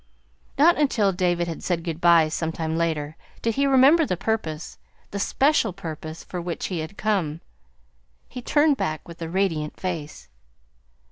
Not until David had said good bye some time later, did he remember the purpose the special purpose for which he had come. He turned back with a radiant face.